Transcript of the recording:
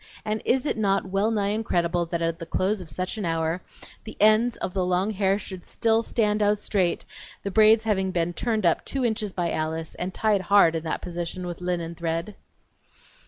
And is it not well nigh incredible that at the close of such an hour the ends of the long hair should still stand out straight, the braids having been turned up two inches by Alice, and tied hard in that position with linen thread?